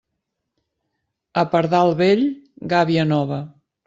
A pardal vell, gàbia nova.